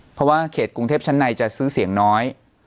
เพราะว่าเขตกรุงเทพชั้นในจะซื้อเสียงน้อย